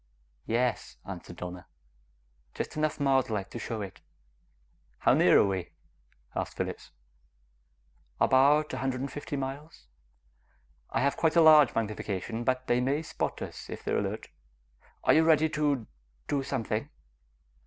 "Yes," answered Donna. "Just enough Mars light to show it." "How near are we?" asked Phillips. "About a hundred and fifty miles. I have quite a large magnification, but they may spot us if they're alert. Are you ready to ... do something?"